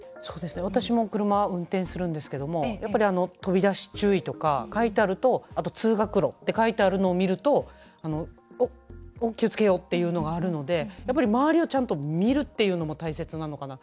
私も車を運転するんですけどもやっぱり「飛び出し注意」とか書いてあるとあと「通学路」って書いてあるのを見ると「おっ、気をつけよう」っていうのがあるので周りをちゃんと見るというのが大切なのかな。